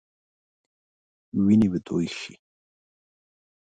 وينې به تويي شي.